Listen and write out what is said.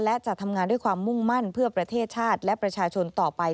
และจะทำงานด้วยความมุ่งมั่นเพื่อประเทศชาติและประชาชนต่อไป